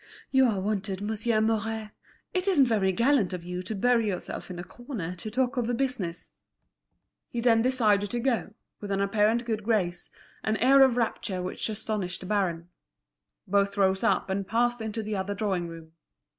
"You are wanted, Monsieur Mouret. It isn't very gallant of you to bury yourself in a corner to talk over business." He then decided to go, with an apparent good grace, an air of rapture which astonished the baron. Both rose up and passed into the other drawing room.